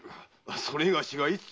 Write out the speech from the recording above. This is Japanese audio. それがしがいつ？